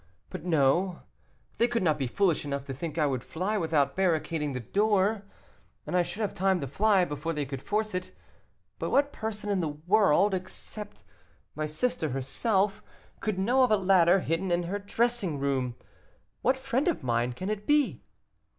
But, no; they could not be foolish enough to think I would fly without barricading the door, and I should have time to fly before they could force it. But what person in the world, except my sister herself, could know of a ladder hidden in her dressing room? What friend of mine can it be?"